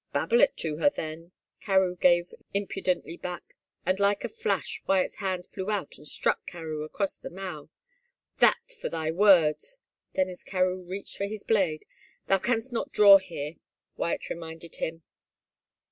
" Babble it to her then," Carewe gave impudently back and like a flash Wyatt's hand flew out and struck Carewe across the mouth. " That for thy words !" Then as Carewe reached for his blade, " Thou canst not draw here," Wyatt reminded him.